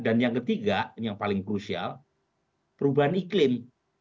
yang ketiga yang paling krusial perubahan iklim